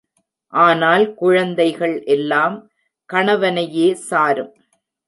ஆனால் குழந்தைகள் எல்லாம் கணவனையே சாரும்.